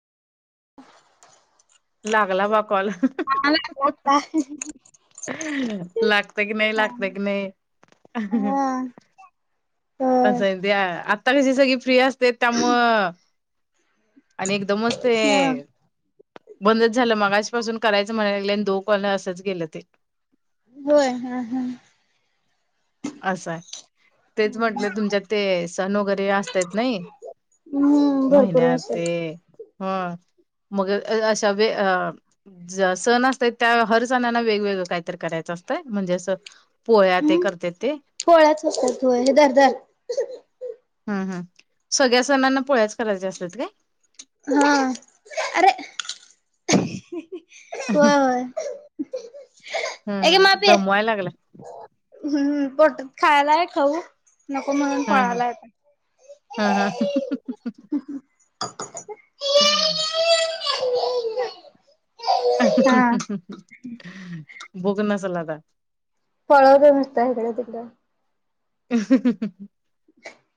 लागला, बा कॉल. [unintelligible] लागते क नाही, लागत की नाही? होय [unintelligible] आत्ता कशी सगळी फ्री असत्यात त्यामुळं आणि एकदमचं ते बंदच झालं मगाज पासून करायचं, म्हणाय लागलोय? आणि दोन कॉल असंच गेलं ते. होय, हा हा. असंय तेच म्हटलं? तुमच्यात ते सण वगैरे, असत्यात नाही. हम्म भरपूर महिन्यात ते असतात हं मग अशा वे अ ज सण असतयं त्या हर सणांना वेगवेगळं काहीतरी करायचं असतं. [unintelligible] म्हणजे, असं पोळ्या ते हम्म करत्यात. पोळ्याच असत्यात होय, हे धर धर हम हम सगळ्या सणांना पोळ्याच करायच्या, असत्यात काय? हा अरे! होय होय. ए घे हम मापी दमवाय लागलायं? हम्म [unintelligible] खायालाय खाऊ. नको म्हणून, हम्म पळायला आता. हम्म हम्म [unintelligible] हा [unintelligible] भूक नसलं आता पळवतोय नुसतं, इकडं तिकडं हम्अअ् [inaudible]